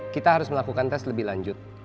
kita harus melakukan tes lebih lanjut